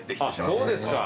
そうですか。